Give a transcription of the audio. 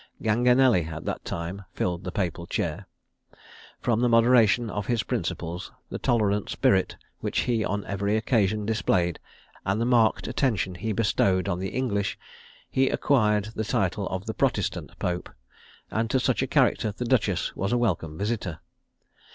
Ganganelli at that time filled the papal chair. From the moderation of his principles, the tolerant spirit which he on every occasion displayed, and the marked attention he bestowed on the English, he acquired the title of the Protestant Pope; and to such a character the duchess was a welcome visitor.